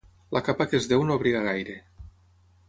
La capa que es deu no abriga gaire.